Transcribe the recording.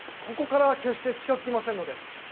ここから決して近づきませんので。